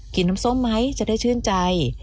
น้ำส้มไหมจะได้ชื่นใจ